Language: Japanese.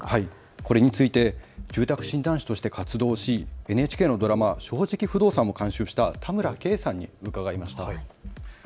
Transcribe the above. これについて住宅診断士として活動しＮＨＫのドラマ、正直不動産も監修した田村啓さんに伺いました。